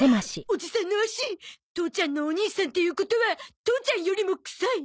おじさんの足父ちゃんのお兄さんっていうことは父ちゃんよりも臭い？